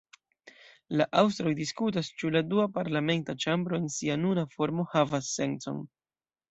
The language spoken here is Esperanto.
La aŭstroj diskutas, ĉu la dua parlamenta ĉambro en sia nuna formo havas sencon.